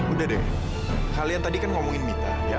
udah deh kalian tadi kan ngomongin mita